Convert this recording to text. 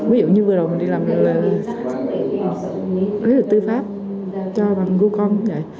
ví dụ như vừa đầu mình đi làm cái là tư pháp cho bằng google